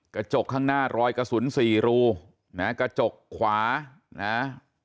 กระจกข้างหน้ารอยกระสุนสี่รูนะฮะกระจกขวานะ